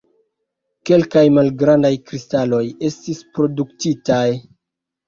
Kelkaj malgrandaj kristaloj estis produktitaj.